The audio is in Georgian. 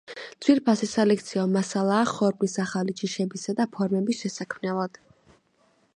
ძვირფასი სასელექციო მასალაა ხორბლის ახალი ჯიშებისა და ფორმების შესაქმნელად.